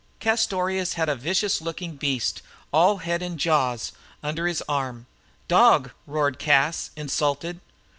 Castorious had a vicious looking beast, all head and jaws, under his arm. "Dog!" roared Cas, insulted.